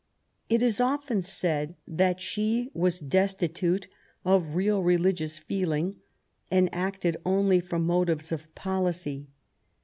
It is often said that she was destitute of real religious feeling, and acted only from motives of policy.